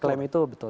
klaim itu betul